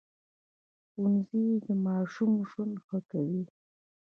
ښوونځی د ماشوم ژوند ښه کوي